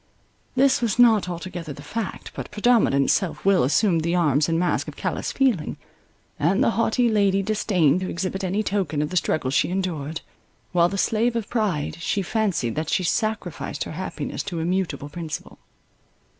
This was not altogether the fact: but predominant self will assumed the arms and masque of callous feeling; and the haughty lady disdained to exhibit any token of the struggle she endured; while the slave of pride, she fancied that she sacrificed her happiness to immutable principle.